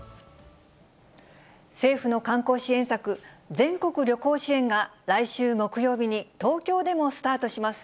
政府の観光支援策、全国旅行支援が来週木曜日に東京でもスタートします。